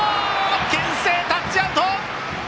けん制タッチアウト。